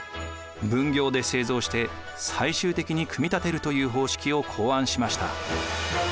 分業で製造して最終的に組み立てるという方式を考案しました。